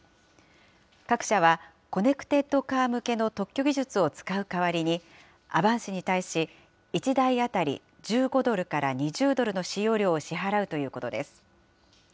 各社は、コネクテッドカー向けの特許技術を使う代わりに、アバンシに対し、１台当たり１５ドルから２０ドルの使用料を支払うということです。